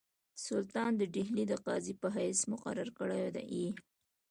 سلطان د ډهلي د قاضي په حیث مقرر کړی یې.